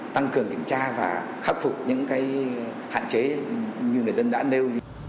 tăng cường kiểm tra và khắc phục những hạn chế như người dân đã nêu